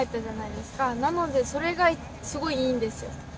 なのでそれがすごいいいんですよ。